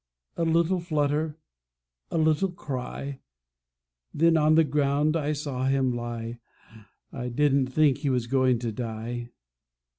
A little flutter a little cry Then on the ground I saw him lie. I didn't think he was going to die.